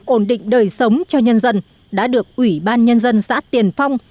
ổn định đời sống cho nhân dân đã được ủy ban nhân dân xã tiền phong